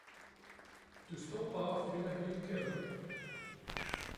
Du står bare og fylder hele gaden.